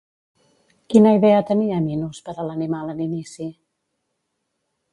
Quina idea tenia Minos per a l'animal en inici?